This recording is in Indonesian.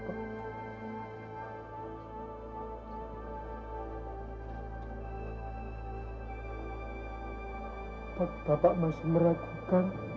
bisa menyelamatkan kaum nabi musa dari kubaran api